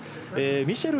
ミシェル